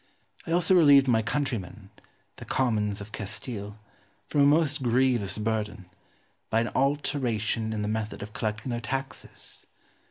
I also relieved my countrymen, the commons of Castile, from a most grievous burden, by an alteration in the method of collecting their taxes.